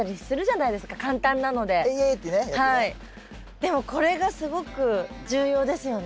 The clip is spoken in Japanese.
でもこれがすごく重要ですよね。